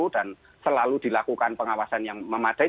dan selalu dilakukan pengawasan yang memadai